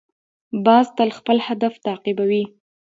باز تل خپل هدف تعقیبوي